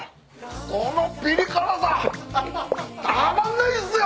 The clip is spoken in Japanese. このぴり辛さたまんないですよ！